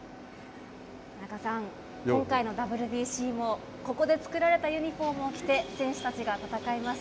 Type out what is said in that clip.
田中さん、今回のＷＢＣも、ここで作られたユニホームを着て選手たちが戦います。